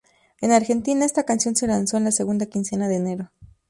En Argentina, esta canción se lanzó en la segunda quincena de enero.